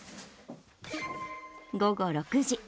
午後６時。